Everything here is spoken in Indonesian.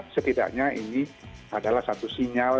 setidaknya ini adalah satu sinyal